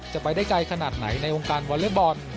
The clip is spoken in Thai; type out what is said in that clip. จะไปได้ไกลขนาดไหนในวอเล็ตบอล